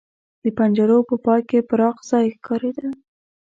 د پنجرو په پای کې پراخ ځای ښکارېده.